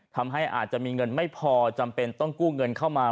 อาจจะมีเงินไม่พอจำเป็นต้องกู้เงินเข้ามา